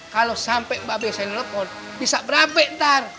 kalau sampai mbak biasa nelfon bisa berampe ntar